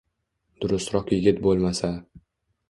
durustroq yigit bo`lmasa